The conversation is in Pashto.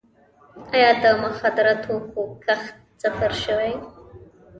آیا د مخدره توکو کښت صفر شوی؟